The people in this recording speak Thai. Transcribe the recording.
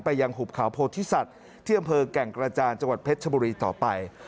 ยังหุบเขาโพธิสัตว์ที่อำเภอแก่งกระจานจังหวัดเพชรชบุรีต่อไป